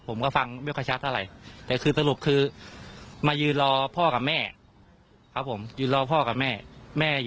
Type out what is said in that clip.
ผมก็ฟังไม่กระชัดอะไรแต่สรุปคือมายืนรอพ่อกับแม่